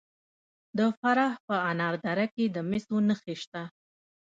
د فراه په انار دره کې د مسو نښې شته.